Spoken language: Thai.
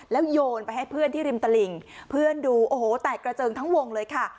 แล้วโยนไปให้เพื่อนที่ริมตลิ่งเพื่อนดูโอ้โหแตกกระเจิงทั้งวงเลยค่ะ